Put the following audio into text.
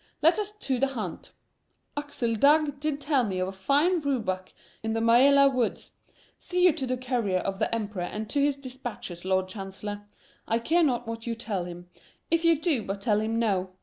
Let us to the hunt. Axel Dagg did tell me of a fine roebuck in the Maelar woods. See you to the courier of the Emperor and to his dispatches, Lord Chancellor; I care not what you tell him, if you do but tell him no.